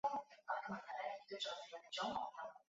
参拜者也多为女性。